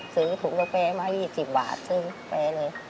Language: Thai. ซื้อถุงกาแฟมา๒๐บาทซื้อไปเลย